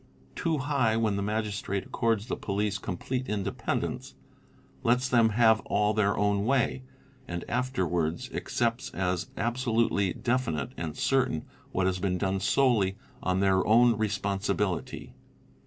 'Too high, when the Magistrate accords the police com plete independence, lets them have all their own way, and afterwards PROCEDURE 9 peccepts as absolutely definite and certain what has been done solely on _ their own responsibility.